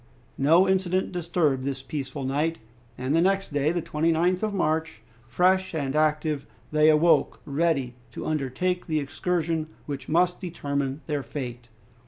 No incident disturbed this peaceful night, and the next day, the 29th of March, fresh and active they awoke, ready to undertake the excursion which must determine their fate.